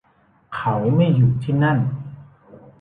เขาไม่อยู่ที่นั่น